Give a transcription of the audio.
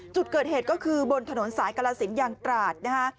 จุดเกิดเหตุก็คือบนถนนสายกรสินยางตราดนะฮะ